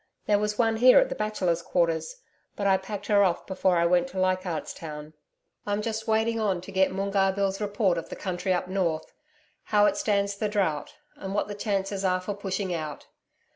There was one here at the Bachelors' Quarters, but I packed her off before I went to Leichardt's Town. I'm just waiting on to get Moongarr Bill's report of the country up north how it stands the drought, and what the chances are for pushing out.